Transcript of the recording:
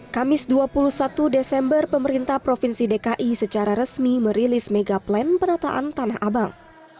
kamis dua puluh satu desember pemerintah provinsi dki secara resmi merilis mega plan penataan tanah abang